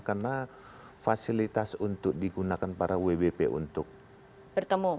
karena fasilitas untuk digunakan para wbp untuk bertemu